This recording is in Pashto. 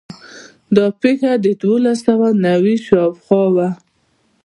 دا پېښه د دولس سوه نوي شاوخوا وه.